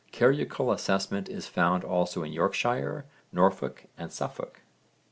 Carucal assessment is found also in Yorkshire, Norfolk and Suffolk.